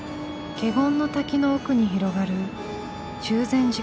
華厳の滝の奥に広がる中禅寺湖。